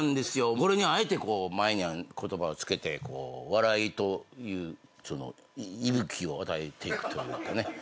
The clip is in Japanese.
これにあえて前に言葉を付けて笑いという息吹を与えていくというかね。